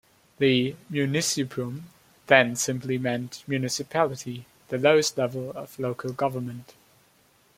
The "municipium" then simply meant municipality, the lowest level of local government.